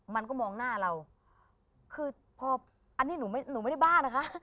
มันก็มองหน้าเราคือพออันนี้หนูไม่ได้บ้านะคะ